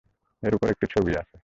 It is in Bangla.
এর উপর একটা ছবি আছে।